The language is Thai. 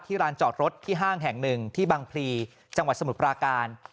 ร้านจอดรถที่ห้างแห่งหนึ่งที่บังพลีจังหวัดสมุทรปราการ